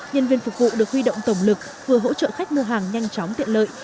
nhân viên phục vụ được huy động tổng lực vừa hỗ trợ khách mua hàng nhanh chóng tiện lợi